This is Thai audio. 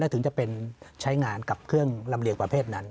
ถึงจะเป็นใช้งานกับเครื่องลำเลียงประเภทนั้น